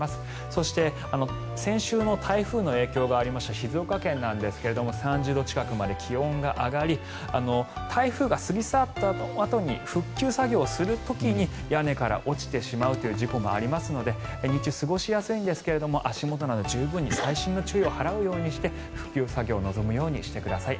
そして、先週の台風の影響がありました静岡県なんですが３０度近くまで気温が上がり台風が過ぎ去ったあとに復旧作業をする時に屋根から落ちてしまうという事故もありますので日中、過ごしやすいんですが足元など十分に最新の注意を払うようにして復旧作業に臨むようにしてください。